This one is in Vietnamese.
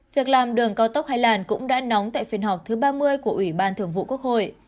việc làm đường cao tốc hay làn cũng đã nóng tại phiên họp thứ ba mươi của ủy ban thường vụ quốc hội